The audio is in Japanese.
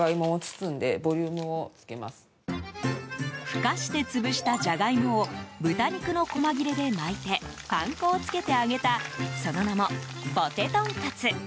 ふかして潰したジャガイモを豚肉のこま切れで巻いてパン粉をつけて揚げたその名も、ポテとんかつ。